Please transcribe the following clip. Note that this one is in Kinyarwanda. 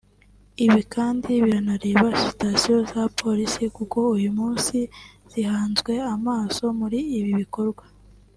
ibi kandi biranareba sitasiyo za polisi kuko uyu munsi zihanzwe amaso muri ibi bikorwa